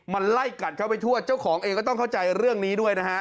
มันไล่กัดเข้าไปทั่วเจ้าของเองก็ต้องเข้าใจเรื่องนี้ด้วยนะฮะ